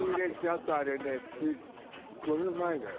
あとあれねすっごいうまいのよ。